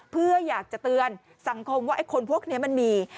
เพื่ออยากจะเตือนสังคมว่าไอ้คนพวกนี้มันมี